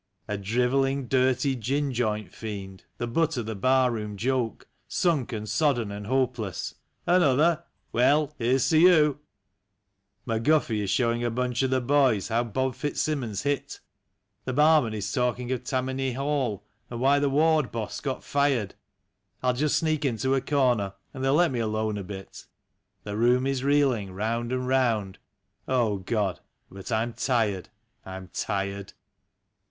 A drivelling, dirty gin joint fiend, the butt of the bar room joke; Sunk and sodden and hopeless —" Another ? Well, here's to you !" McGuffy is showing a bunch of the boys how Bob Fitz simmons hit; The barman is talking of Tammany Hall, and why the ward boss got fired; I'll just sneak into a corner, and they'll let me alone a bit; The room is reeling round and round ... God, but I'm tired, I'm tired.